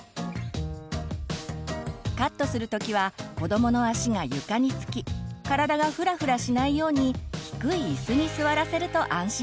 カットする時は子どもの足が床につき体がふらふらしないように低い椅子に座らせると安心です。